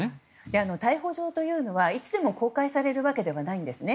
逮捕状というのはいつでも公開されるわけではないんですね。